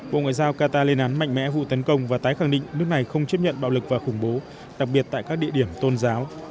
bộ ngoại giao qatar lên án mạnh mẽ vụ tấn công và tái khẳng định nước này không chấp nhận bạo lực và khủng bố đặc biệt tại các địa điểm tôn giáo